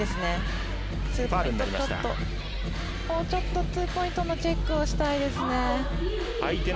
もうちょっと２ポイントのチェックはしたいですね。